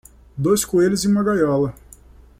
Dois coelhos em uma gaiola.